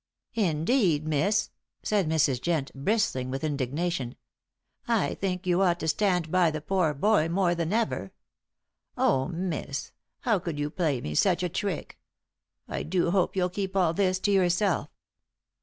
"Indeed, miss," said Mrs. Jent, bristling with indignation. "I think you ought to stand by the poor boy more than ever. Oh, miss, how could you play me such a trick? I do hope you'll keep all this to yourself."